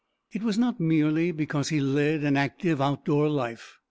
It was not merely because he led an active outdoor life.